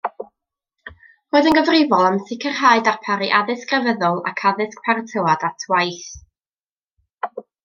Roedd yn gyfrifol am sicrhau darparu addysg grefyddol ac addysg paratoad at waith.